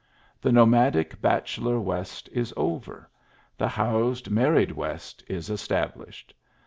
The nomadic, bachelor West is over, the housed, married West is established.